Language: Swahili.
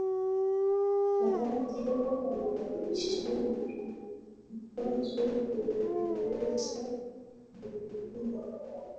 anavyoainisha vikwazo vinavyoweza kumkabili